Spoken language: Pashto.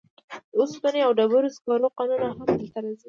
د اوسپنې او ډبرو سکرو کانونه هم دلته راځي.